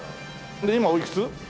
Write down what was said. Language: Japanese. で今おいくつ？